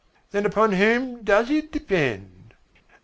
Then upon whom does it depend?"